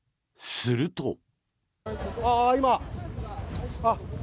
すると。